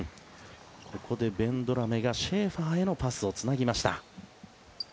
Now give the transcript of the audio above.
ここでベンドラメがシェーファーへパスをつなぎました。